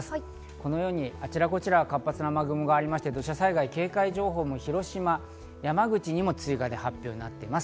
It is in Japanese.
このように、あちらこちら活発な雨雲がありまして、土砂災害警戒情報も広島、山口にも追加で発表されています。